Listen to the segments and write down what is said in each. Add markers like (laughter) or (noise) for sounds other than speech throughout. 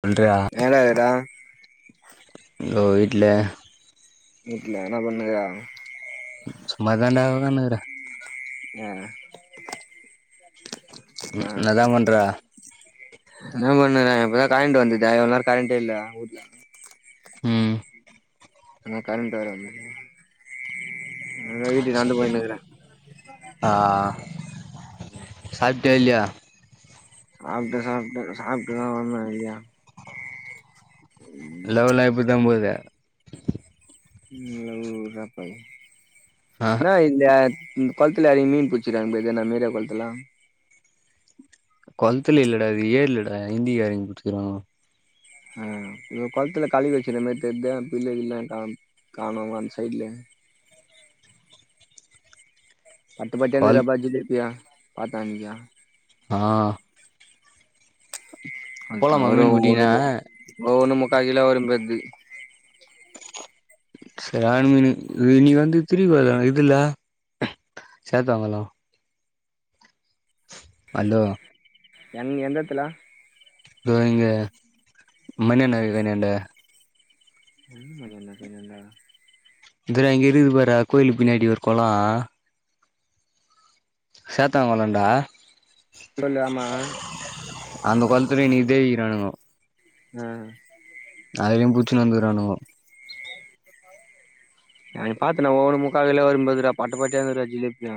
சொல்றா மேலடா தோ வீட்ல வீட்ல என்ன பண்ணுருக்க சும்மாதான்டா உக்கானுக்குற ஏ உம் என்னதா பண்ற என்ன பண்ணற இப்போதா கயண்ட் வந்துதே இவ்ளோ நேரோ கரண்ட்டே இல்ல வூட்ல உம் கரண்ட்டு (inaudible) ஆஹ் சாப் தெர்லியா சாப்ட்ட சாப்ட்ட சாப்ட்டுதா வந்த ஏ லவ்லா இப்டிதா (inaudible) (unintelligible) ஆ என்னா இது இந்த கொளத்துல எறங்கி மீன் புடிச்சு இருகானுங்க போலக்கு நம்ம ஏரியா கொளத்துல கொளத்துல இல்லடா அது ஏரிலடா இந்திகாரங்க புடுச்சுருக்குறங்கோ அஹ் எதோ கொளத்துலா கலிவச்சர மாரி தெர்து இப்ப இல்ல இல்லன்றங்கோ காணோ அந்த சைட்ல பட்டு பட்டுனு கொள் ரொம்ப (unintelligible) பாத்த அன்னிகிதா ஆஹ் அது வரு மீன் ஒண்ணு புடிக்கினா ஒ ஒண்ணு முக்கா கிலோ வரும்போல்து சரியான மீனு இன்னிகி வந்து திரும்வருதா இதுல சேத்தாங்கொளோ அலோ என் எந்தடத்துல தோ இங்க மணி நகர் அண்டான்ட எந் மணியன்ன கிண்ணான்ட ந்ததா இங்க இருக்குது பார்ரா கோயிலுக்கு பின்னாடி ஒரு கொளோ சேத்தா கொளோன்டா சொல்லு ஆமா அந்த குளத்துல இன்னிக்கு தேடிருகிறானுங்கோ அஹ் அதுலயு புச்சுனு வந்துருக்கானுவோ அன்னைக்கி பாத்தேண்டா ஒவ்வொன்னு முக்கா கிலோ வரும்போல இருதுடா பட்ட பட்டையா இருந்துதுடா ஜிலேபியு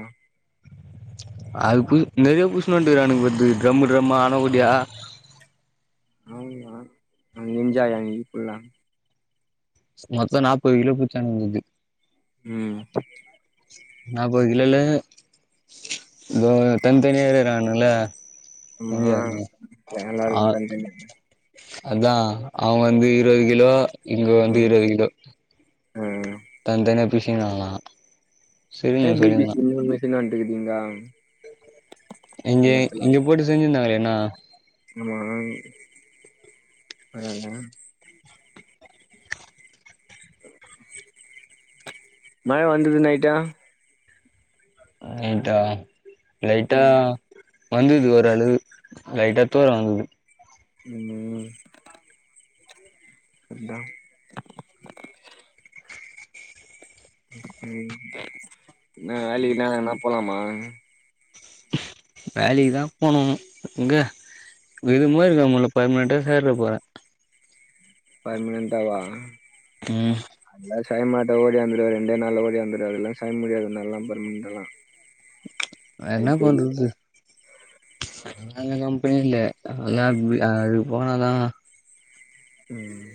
அது புது நெறைய புஷ்ணு வந்து இரானுங்கபோல தெறிது ட்ரம் ட்ரம்மா அண்ணக்கூடைய (unintelligible) மொத்தோ நாப்பது கிலோ புச்சானுங்க போலக்து உம் நாப்பது கிலோல தனி தனியா இருகறானுவல ஆம்மா வேலருக்கு தன் தனி அதா அவு வந்து இருவது கிலோ இங்க வந்து இருவது கிலோ ஹிம் தன் தனியா பிரிஷின்க்காங்ளா எம் பி பி சி னு யூன் மெசின் வன்டுகுது இங்க நம்ம எங்கெ இங்க போட்டு செஞ்சின்ந்தாங்களே என்னா அமாங் வெரால மழ வந்தது நைட்டா ஏன்ட்ட லைட்டா ம் வந்துது ஓர் அளுவு லைட்டா தூர வந்துது முன்னு அந்தா ம் இன்ன வேலிக்குலா எங்கனா போலாமா வேலிக்கு தா போனு ங்க தோ இதுமோர்க்கா மொல்ல பர்மனென்ட்டு ஹேர்ல போற பர்மனுன்ட்டாவா ம் செய்மாட்ட ஓடியாந்துருவ ரெண்டே நாள்ல ஓடியாந்துர்வ அதல்லா சய் முடியாத் உன்னால்லா பர்முன்டலா வேற்ன்னா பண்றுது நாங்கதாம் பிரி இல்ல யார் புரி யா அதுக் போனாதா ம்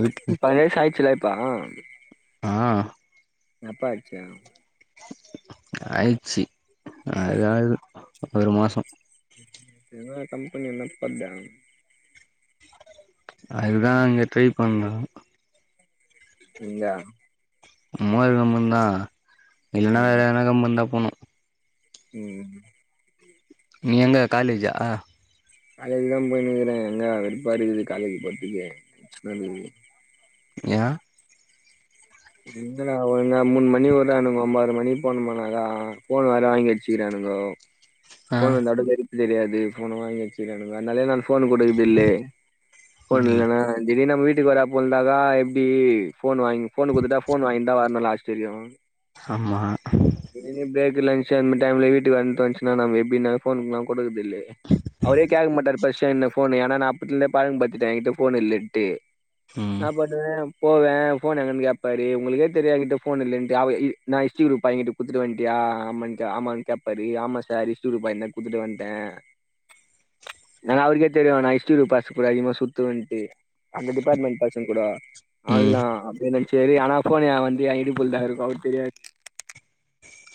வீட்டு பலேஸ் ஆயிட்ச்சுல இப்போ ஆ நப்பாச்சொ ஆயிட்ச்சி அது ஆகுது ஒரு மாசொ எங்க கம்பனி என்ன போட்தே அதுதா அங்க ட்ரை பண்ணு எங்க மோய்வம்மந்தா இல்லன்னா ம் வேற எதுனா கம்பன் தா போணு ம் நீ எங்க காலேஜா காலேஜ் தா போய்னுக்குறே எங்க வெடுப்பாருக்குது காலேஜ் போற்த்துக்கே ஷ்னாகுது யா எங்க டா ஒழுங்கா மூண் மணி உற்றானுங் ஒம்போர மணிக்கு போனுமாநாக ஃபோன் வேற வாங்கி வச்சுக்கிறானு ங்கோ ஆ ஃபோன் இந்தாட்டு கடுப்பு தெரியாது ஃபோன வாங்கி வச்சுகிறானுங் அந்னாலே நானு ஃபோனு கொடுக்குது இல்லே ஃபோன் ம் இல்லனா திடி நம்ம வீட் டுக் வரா போல்ந்ததா தா இப்டி ஃபோன் வாங்கி ஃபோன் குத்துட்டா ஃபோன் வாங்கின்ந்தா வர்னு லாஸ்ட் வரியு ஆமா திடினு பிரேக்குல லன்ஷ் அன்மி டைம்ல வீட்டுக்கு வந்து தொன்ச்சினா நம் எப்டி ந ஃபோன்க்குலா கொடுக்குது தில்லே அவுரே கேக்க மாட்டார் பஷ்டு என்ன ஃபோன் ஏனா நா அப்பத்துலேந்தே பழக்கு பத்திட்ட எகிட்ட ஃபோன் இல்லன்ட்டு ம் நா பாட்டுவே போவே ஃபோன் எங்கன்னு கேப்பாரு உங்களுக்கே தெரியு ஏகிட்ட ஃபோன் இல்லன்ட்டு அவ இ நா இஸ்டி குருப் பைங்கிட்டு குத்துட்டு வன்ட்டியா ஆமனச ஆமான் கேப்பாரு ஆம்மா சார் இஸ்டி உருப் பையந்த குத்துட்டு வன்ட்டே ஏனா அவ்ருக்கே தெரியு நா இஸ்டி உருப் பசு கூட அதிகமா சுத்துவண்ட்டு அந்த டிப்பாட்மெண்ட் பசங்கூட ம் அவுள்தா அப்டே நென்சுவாரு ஆனா ஃபோனு ஏ வந்து ஏ இடுப்புல் தா இருக்கு அவுர்க் தெரியாத்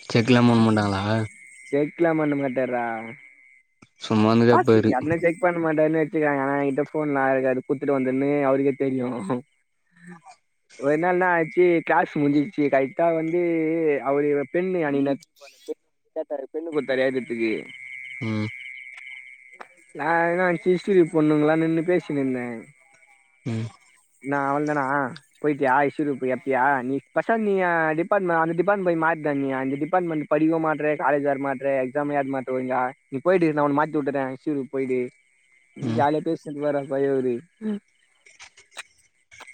செக்லா மோன் மொன்ட்டாங்களா க் லா மண்ண மாட்டார்ரா சும்மா வந்து பாஸு கேப்பாரு என்ன செக் பண்ண மாட் டர்னு வெச்சிக்கோங்கல ஏ கிட்ட ஃபோன்னா அழகாது குத்துட்டு வந்துன்னு அவுருக்கே தெரியு ஆம ஒரு நாள் இன்னா ஆச்சு க்ளாஸ் முஞ்சிச்சு கரெக்டா வந்து அவுருய பென்னு அனிக்தா (unintelligible) கேட்டாரு பென்னு குத்தரு எழ்துற்துக்கு ம் நா இனா இஸ்ட்ரி க்ரூப் பொண்ணுங்ளான் நின்னு பேசினிந்தே ம் இன்னா அவள்தானா போய்ட்டியா இஸ்ட்ரி ரூப்பு எப்பியா நீ பெசம் நீ ய டிபார்ட்ம அந்த டிபார்ட்மெண் மாரி த நீ அந்த டிபார்ட்மென்ட் படிக்வு மாட்ற காலேஜ் வர மாட்ற எக்ஸாமு எழ்த் மாட்ற ஒழுங்கா நீ போய்டு நா உன்ன மாத் தி வுட்டுற ஹிஸ்ட்ரி க்ரூப் போய்டு ம் ஜாலியா பேஸ்னிப்பாரு (unintelligible) ம்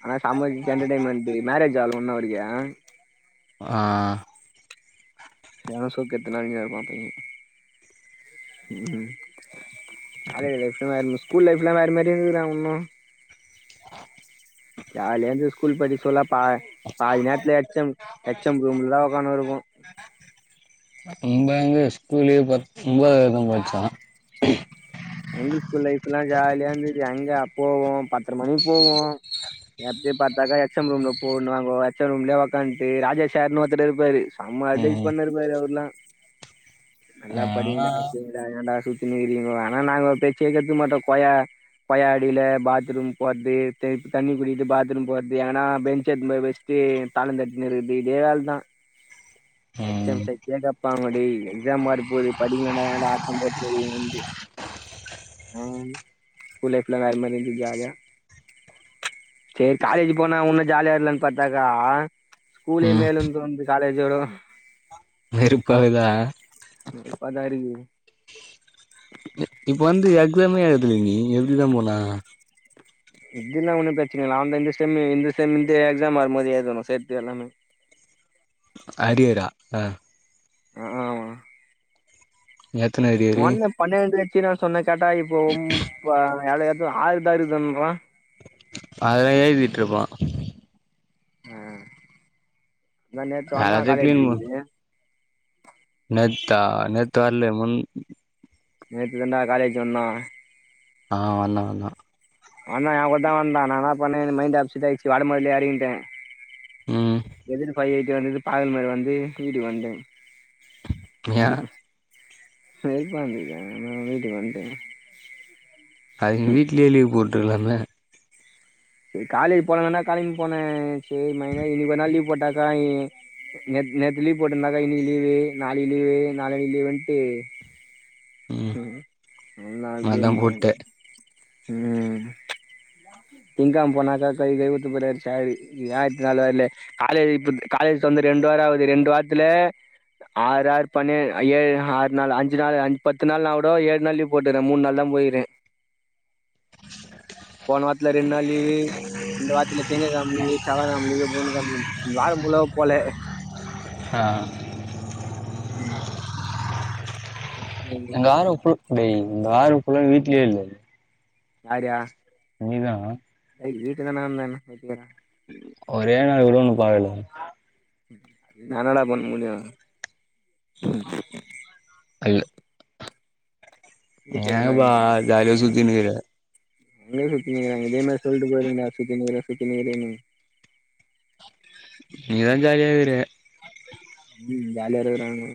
ஆனா சம எண்டர்டெயின்மெண்டு மேரேஜ் ஆவ்ல இன்னு அவருக்கு அ எனக் சோக்கெத்தனா (unintelligible) ம் ம் காலேஜ் லைஃபு வேற ஸ்கூல் லைஃப்லா வேற மாரி இருந்துதா டா உன்னு ஜாலியா இருந்துது ஸ்கூல் படிக் சொல்லோ பா பாதி நேர்த்துல எச் எம் எச் எம் ரூம்ல தா உகானு இருப்போ நம்ப எங்க ஸ்கூலே பத் உம்பதாத் வர்க்தா பச்ச எங்கிள் ஸ்கூல் லைஃபுல்லா ஜாலியா இருந்துது எங்க போவோ பத்ர மணிக் போவோ எப்பியு பாத்தாக்கா எச் எம் ரூம்ல போனுவாங்கா எச் எம் ரூம்லே ஒக்காந்ட்டு ராஜா சேர்னு ஒருத்தர் இருப்பாரு ச சம்மா அட்வைஸ் ம் பண்ணருப்பாரு அவுர்லா நல்லா அதெல்லா படிங்கடா செய்ங்கடா ஏண்டா சுத் தினுகறிங்கோ ஆனா நாங்க அவ்ர் பேச்யே கேட்டுக் மட்டோ போயா கொயா அடியில பாத்ரூம் போற்து திருப் தண்ணி குடிக்கித்து பாத்ரூம் போற்து எங்கனா பெஞ்ச எத்துன் போய் வெஷ்டு ப்டே தாளோ தட்னு இருக்குது இதே வேல் தா எச் எம் ம் செய்த்யா கேப்பாங்க டேய் எக்ஸாம் வர போது படிங்லேன்டா ஏன்டா ஆட்டம் போ (unintelligible) ஏந்து ஆ ஸ்கூல் லைஃப்ல வேற மாரி இந்து ஜாலியா சேரி காலேஜி போனா உன்னு ஜாலியா இருக்லான் பாத்தாக்கா ஸ்கூலே ம் மேலுன் தோன்து காலேஜோடோ வெறுப்பாக்குதா வெறுப்பாதா இருக்கு இ இப்ப வந்து எக்ஸாமே எழுதுல நீ எப்டிதா போன இதுனா ஒன்னு ப்ரெச்னில் ஆவ்ள்தா இந்த செம்மு இந்த செம்மிந்து எக்ஸாம் வரும்போது எழுதணு சேத்து எல்லாமே அரியரா அ அக்அ ஆமா எத்தன அரியரு உங்கண்ண பன்னெண்டு வெச்சிரான் சொன்னே கேட்டா இப்போ உம் பா எவ்ள இன்னு ஆரு தா இருக்குன்றா அதெல்லாம் எழுதிட்ருப்பா ஆ இதா நேத்து வந்தா எல்லாத்தையு கிளீன் பண் காலேஜீக்கு தெர்ல முன் நேத்து தண்டா காலேஜ் வந்தா அ வந்தா வந்தா வந்தா எ கூட்தா வந்தா நா இன்னா பண்ணே எனுக் மைண்ட் அப்சட்யாச்சு வரும் போதே எறங்கிட்டே ம் எதிர்ல் ஃபை எய்ட்டி வந்துது பாகல்மேடு வந்துனு வீட்டுக் வந்டே ஏ வெறுப்பா இருந்துது அதா வீட்டுக் வந்டே அதுக்கு நீ வீட்லே லீவு போட்டுருக்கலாமே செரி காலேஜ் போலான்தான்டா களம்ப் போனே செர் மைண்ட இன்னிக் ஒரு நாள் லீவ் போட்டாக்கா இ நேத்து நேத்து லீவ் போட்டிர்ந்தாக்கா இன்னிக்கி லீவு நாளிக்கு லீவு நாளான்னைக் லீவுன்ட்டு (inaudible) ம் நா இப்டியே அதா இருந்துட்டன் போட்டே ம் (inaudible) திங்க்கெழம போனாக்க கழுவி கழுவி ஊத்தப் போறாரு சாரு ஏ இத்தன் நாள் வர்லே காலேஜ் இப்ப காலேஜ் தொறந்து ரெண்டு வா ராவுது ரெண்டு வார்த்துல ஆறு ஆறு பண்ணு ஐ ஏழு ஆறு நாளு அஞ்சு நாளு அஞ் பத்து நாள்னா கூட ஏழு நாள் லீவு போட்டுறே மூணு நாள் தா போயிறே போன வாரத்துல ரெண்டு நாள் லீவு இந்த வார்த்துல திங்ககெழம லீவு செவ்வாகெழம லீவு பொதங்கெழம லீவ் இந்த வார ஃபுல்லாவே போல ஆ ம் டென்ஷனாயி போச்சி நீ இந்த வார ஃபுல்லா வீட்லயே இல்ல யாரா நீதா ஏ வீட்ல தான்டா இருந்த ஆனா தெர்லடா ஒரே நாள் வருவாங்க பாருடா நானாடா பண்ண முடியு அல் வீட்ல தான ஏபா ஜாலிய சுத்தினுகிற உண்மையிலே சுத்தினுக்றாங்க இதே மாதிரி சொல்ட்டு போயிருவிங்கடா சுத்தினுருக்க சுத்தினுருக்கனு நீதா ஜாலியா இருக்ர ம் ஜாலியா இருக்றாங்கோ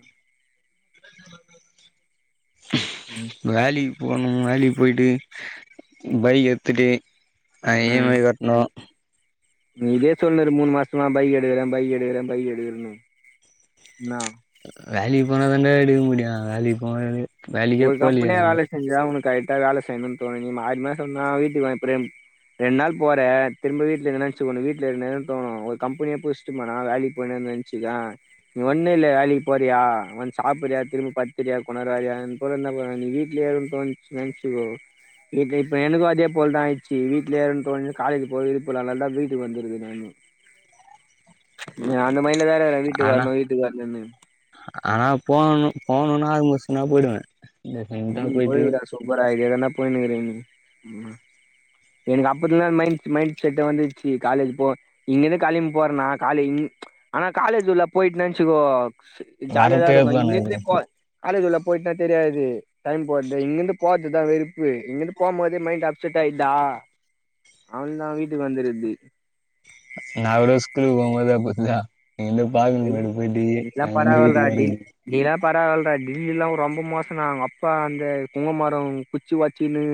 ம் வேலிவ் போணு வேலய்க்கு போய்ட்டு பைக் எடுத்துட்டு அ இ எம் ம் ஐ கட்ணு நீ இதே சொல்ணிரு மூணு மாசமா பைக் எடுக்றே பைக் எடுக்றே பைக் எடுக்றணு இன்னா வேலைக் போனா தாண்டா எடுக்க முடியு வேலைக்கு போனத ஒரு கம்பெனில வேலை செஞ்சா உனக் கரெக்டா வேலை செய்யணுன் தோணு நீ மாறி மாறி இருந்தா வீட்டுக்கு வா ப்ரேம் ரெண்டு நாள் போற திரும்ப வீட்ல இருந்தின வச்சுக்கோ உனக்கு வீட்ல இருக்ணு தா தோணு ஒரு கம்பெனிய புடிச்ட்டு போனா வேலைக்கு போயினே நெனச்சுக்க நீ ஒன்னு இல்ல வேலைக்கு போறியா வந்து சாப்டறியா திரும்பி படுத்துறியா கொஞ்ச நேர வேற யார்ன போதுனம நீ வீட்லயே இருன் தோணிர்ச்சு நெனைச்சுக்கோ இப்ப ப்ப எனக்கு அதே போல் தா ஆயிடுச்சு வீட்லயே இருன் தோணுது காலேஜ் போ விருப்பல்ல அதனாலதா வீட்டுக்கு வந்ருக்க நானு (unintelligible) நீ அந்த மைண்ட்ல தானர வீட்டுக்கு ஆனா வர்ணு வீட்டுக்கு வர்ணுனு ஆனா போணுன போணுனா ஆறு மாசனாலு போய்டுவே ம் போயிடுவிடா சூப்பரா இதே தான்டா போயிணுருக்க நீ ம் எனக்கு அப்பத்துலந் மைண்ட் மைண்ட் செட் வந்துர்ச்சு காலேஜ் போ இங்கிருந்து கெளம்பி போறனா காலே ஆனா காலேஜ்குள்ள போயிட்னு வெச்சுகோ ஜாலியாதா வரப்பே இருக்கு இருப்பானு அது இங்கிருந்து போ காலேஜ்குள்ள போயிட்னா தெரியாது டைம் போர்து இங்க இர்ந்து போர்து தா வெறுப்பு இங்க இர்ந்து போம் போதே மைண்ட் அப்செட் ஆயிடுதா அவ்ளதா வீட்டுக்கு வந்தர்றது நாங்களு ஸ்கூலுக்கு போம்போது அப்டித்தா இங்கர்ந்து பாக்குமேடு போய்ட்டு அங்கிர்ந்து வீட்டுக்கு வர்றது பரவால்டா கிரி எல்லா ரொம்ப மோசன்னா அவுங்கப்பா அந்த புங்கமரொ குச்சி ஒச்சகினு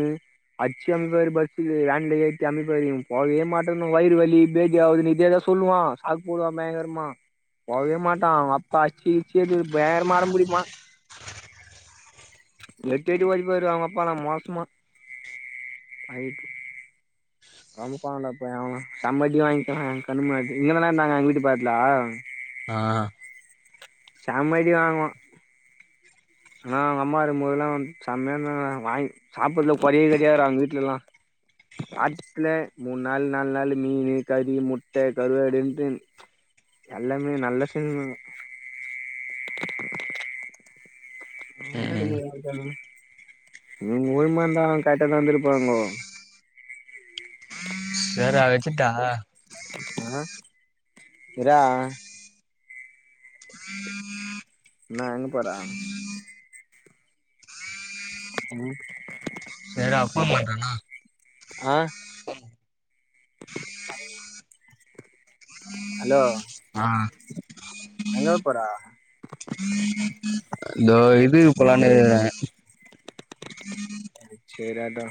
அச்சு அன்ப்பாரு பஸ்ஸுகு வேன்ல ஏத்தி அமிப்பாரு இவ போவே மாட்டேனு வயிறு வலி பேதி ஆவுதுனு இதே தா சொல்லுவா சாக்கு போடுவா பயங்ரமா போவே மாட்டா அவுங்கப்பா அச்சுச்சி வேறமா அடம்புடிப்பா எட்டி எட்டி ஒதைப்பாரு அவுங்கப்பாலா மோசமா ஆய்ட்சி ரொம்ப பாவல்லப்ப அவுங்க செம அடி வாங்கிட்டா எங் கண்ணு முன்னாடி இங்கன தா இருந்தாங்க எங்க வீட்டு பக்கத்துல ஆ செம்ம அடி வாங்குவோ ஆ எங்க அம்மா இருக்குபோதெல்லா செம்மைய இருந்தங்க வாய்க் சாப்புறதுலே குறையே கடையாதுடா எங்க வீட்ல எல்லா வாரத்துலே மூணு நாள் நால் நாளு மீனு கறி முட்டே கருவாடுன்டு எல்லாமே நல்ல செய்ஞ் யாரு ம் மாரி தனம் நீங்ஒழுக்கமாருந்தா கரெட்டா தா இருந்துருப்பாங்கோ வேற வச்சுட்டாங்க ஆ இர்ரா என்ன எங்க போற உம் சேர்ரா ஃபோன் பண்றேன்னா அ கடைக் ஹலோ ஆ எங்க போற இந்த இது போலானு இருக்காங்க சேரியாதா